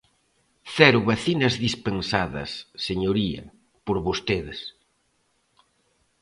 ¡Cero vacinas dispensadas, señoría, por vostedes!